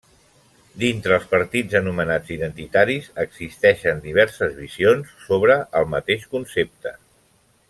Dintre els partits anomenats identitaris, existeixen diverses visions sobre el mateix concepte.